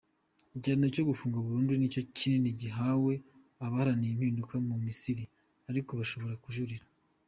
Igihano cyo gufungwa burundu nicyo kinini gihawe abaharaniye impinduka mu Misiri, ariko bashobora kujurira.